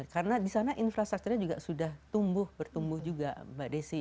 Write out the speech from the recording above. karena di sana infrastrukturnya juga sudah tumbuh bertumbuh juga mbak desy